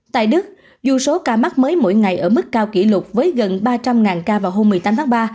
tại đức dù số ca mắc mới mỗi ngày ở mức cao kỷ lục với gần ba trăm linh ca vào hôm một mươi tám tháng ba